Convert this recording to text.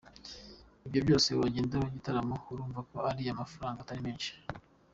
Ibyo byose wongeyeho n’igitaramo, urumva ko ariya mafaranga atari menshi “.